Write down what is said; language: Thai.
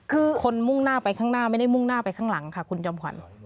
คือคนมุ่งหน้าไปข้างหน้าไม่ได้มุ่งหน้าไปข้างหลังค่ะคุณจอมขวัญ